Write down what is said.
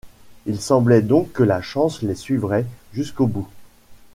Il semblait donc que la chance les suivrait jusqu’au bout !…